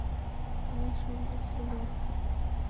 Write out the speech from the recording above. অনেক সুন্দর ছিলো।